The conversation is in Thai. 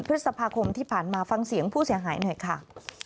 พฤษภาคมที่ผ่านมาฟังเสียงผู้เสียหายหน่อยค่ะ